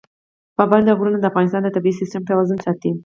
پابندی غرونه د افغانستان د طبعي سیسټم توازن ساتي.